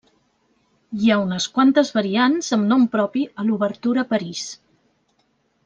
Hi ha unes quantes variants amb nom propi a l'obertura París.